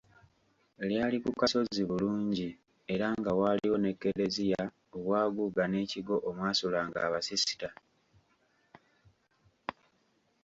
Lyali ku kasozi bulungi era nga waaliwo ne Kereziya obwaguuga n'ekigo omwasulanga abasisita.